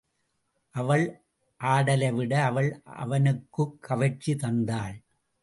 அவள் ஆடலைவிட அவள் அவனுக்குக் கவர்ச்சி தந்தாள்.